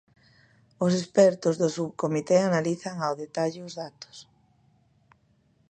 Os expertos do subcomité analizan ao detalle os datos.